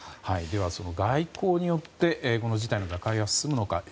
では、外交によってこの事態の和解は進むのか。